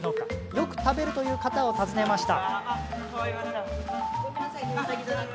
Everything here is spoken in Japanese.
よく食べるという方を訪ねました。